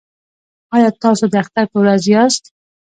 ایا تاسو د اختر په ورځ یاست؟